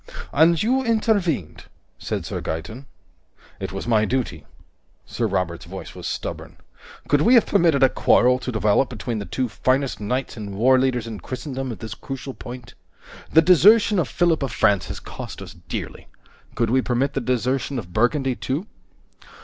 "And you intervened," said Sir Gaeton. "It was my duty." Sir Robert's voice was stubborn. "Could we have permitted a quarrel to develop between the two finest knights and warleaders in Christendom at this crucial point? The desertion of Philip of France has cost us dearly. Could we permit the desertion of Burgundy, too?"